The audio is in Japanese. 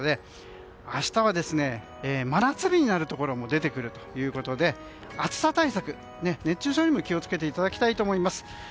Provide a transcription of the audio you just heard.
明日は真夏日になるところも出てくるということで暑さ対策、熱中症にも気を付けていただきたいと思います。